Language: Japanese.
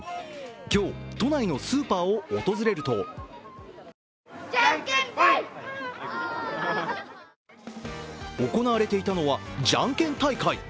今日、都内のスーパーを訪れると行われていたのはじゃんけん大会。